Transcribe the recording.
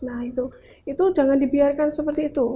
nah itu itu jangan dibiarkan seperti itu